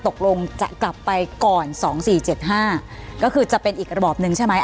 ตกลงจะกลับไปก่อน๒๔๗๕ก็คือจะเป็นอีกระบอบหนึ่งใช่ไหม